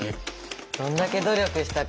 どんだけ努力したか。